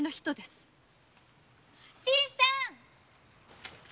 ・新さん